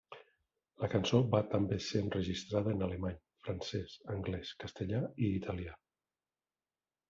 La cançó va també ser enregistrada en alemany, francès, anglès, castellà i italià.